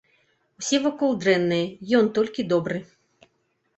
Усе вакол дрэнныя, ён толькі добры.